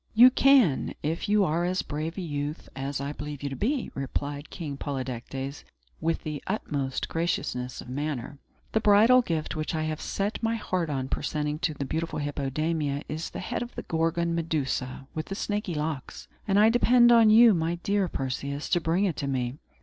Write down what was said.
"You can, if you are as brave a youth as I believe you to be," replied King Polydectes, with the utmost graciousness of manner. "The bridal gift which I have set my heart on presenting to the beautiful Hippodamia is the head of the Gorgon Medusa with the snaky locks; and I depend on you, my dear Perseus, to bring it to me.